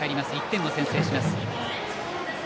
１点を先制します。